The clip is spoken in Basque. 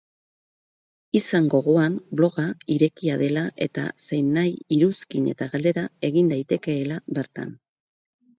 Izan gogoan bloga irekia dela eta zeinahi iruzkin eta galdera egin daitekeela bertan.